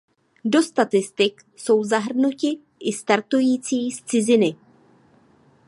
Do statistik jsou zahrnuti i startující z ciziny.